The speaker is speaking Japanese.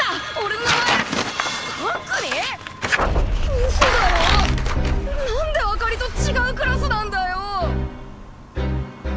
うそだろなんであかりとちがうクラスなんだよ！？